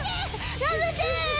やめて！